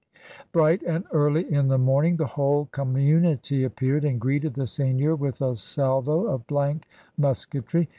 Bright and early in the morning the whole com munity appeared and greeted the seigneur with a salvo of blank musketry.